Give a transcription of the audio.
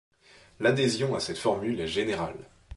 L'adhésion à cette formule est générale.